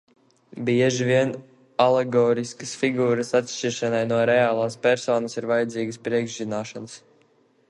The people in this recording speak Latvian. Bieži vien alegoriskas figūras atšķiršanai no reālas personas ir vajadzīgas priekšzināšanas.